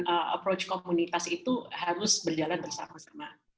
approach komunitas itu harus berjalan bersama sama